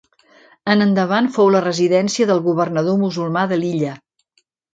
En endavant fou la residència del governador musulmà de l'illa.